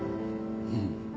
うん。